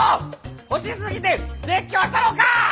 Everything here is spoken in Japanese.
欲しすぎて絶叫したろか！